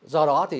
do đó thì